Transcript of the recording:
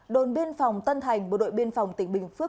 đồn biên phòng tân thành bộ đội biên phòng tỉnh bình phước